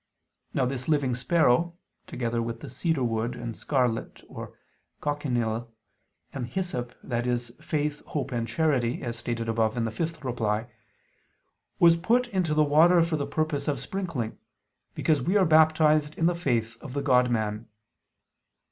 Now this living sparrow, together with the cedar wood and scarlet or cochineal, and hyssop, i.e. faith, hope and charity, as stated above (ad 5), was put into the water for the purpose of sprinkling, because we are baptized in the faith of the God Man.